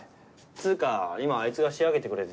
つーか今あいつが仕上げてくれてて。